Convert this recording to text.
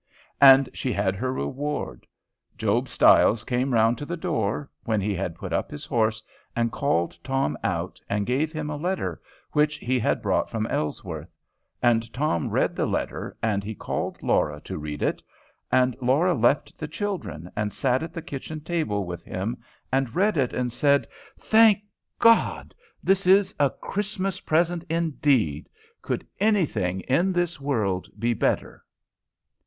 And she had her reward. Job Stiles came round to the door, when he had put up his horses, and called Tom out, and gave him a letter which he had brought from Ellsworth. And Tom read the letter, and he called Laura to read it. And Laura left the children, and sat at the kitchen table with him and read it, and said, "Thank God! this is a Christmas present indeed. Could any thing in this world be better?"